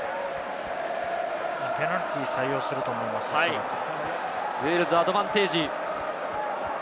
ペナルティーを採用するとウェールズ、アドバンテージ。